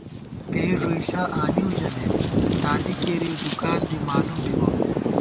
پېئی ݫُوئیݪہ آنِیؤ ژَمېت ، تادِی کېرِیؤ دُکان دی مالُوم بِبہ